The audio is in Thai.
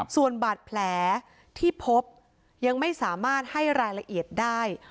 ส่วนบาดแผลที่พบยังไม่สามารถให้รายละเอียดได้